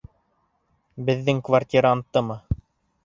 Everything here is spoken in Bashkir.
Беҙҙең квартиранттымы?